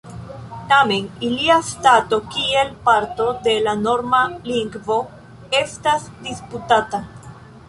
Tamen ilia stato kiel parto de la norma lingvo estas disputata.